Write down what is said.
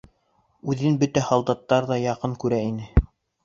Үҙен бөтә һалдаттар ҙа яҡын күрә ине.